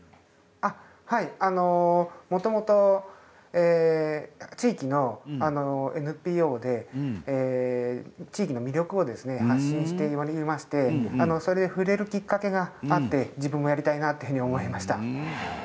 もともと地域のＮＰＯで地域の魅力を発信していまして触れるきっかけがあって自分もやりたいなと思いました。